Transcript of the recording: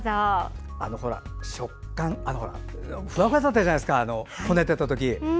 食感ふわふわだったじゃないですかこねてた時。